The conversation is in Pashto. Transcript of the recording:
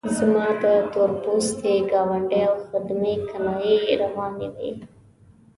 زما د تور پوستي ګاونډي او خدمې کنایې روانې وې.